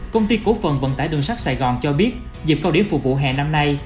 công ty cổ phần vận tải đường sắt sài gòn cho biết dịp cao điểm phục vụ hè năm nay